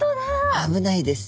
危ないです。